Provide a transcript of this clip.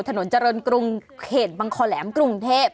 ถนนเจริญกรุงเขตบังคอแหลมกรุงเทพ